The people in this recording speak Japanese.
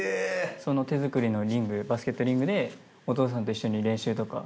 その手作りのリングバスケットリングでお父さんと一緒に練習とか。